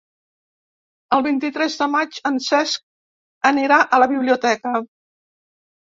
El vint-i-tres de maig en Cesc anirà a la biblioteca.